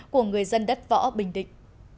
của người dân đất võ bình định